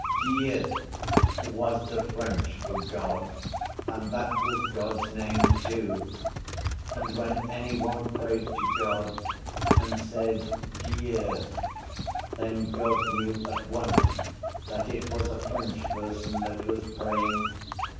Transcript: Dieu was the French for God and that was God’s name too; and when anyone prayed to God and said Dieu then God knew at once that it was a French person that was praying.